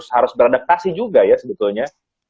harus beradaptasi juga ya sebetulnya